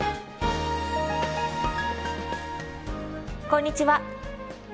こんにちは。